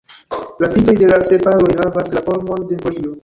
La pintoj de la sepaloj havas la formon de folio.